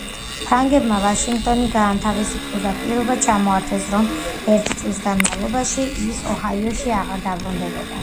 ფრანგებმა ვაშინგტონი გაათავისუფლეს და პირობა ჩამოართვეს რომ ერთი წლის განმავლობაში ის ოჰაიოში აღარ დაბრუნდებოდა.